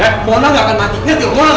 yaudah aku muat